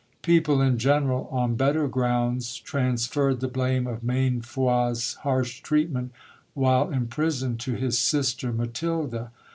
People in general, on better grounds, transferred the blame of Mainfroi's harsh treatment while in prison to his sister Matilda.